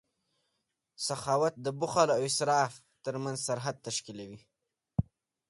سخاوت د بخل او اسراف ترمنځ سرحد تشکیلوي.